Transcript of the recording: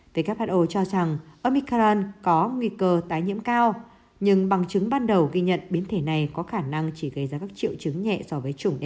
who cho rằng omikaran có nguy cơ tái nhiễm cao nhưng bằng chứng ban đầu ghi nhận biến thể này có khả năng chỉ gây ra các triệu chứng nhẹ so với chủng d